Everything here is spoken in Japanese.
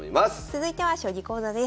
続いては将棋講座です。